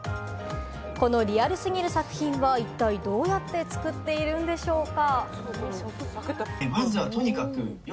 このリアル過ぎる作品は一体どうやって作っているのでしょうか？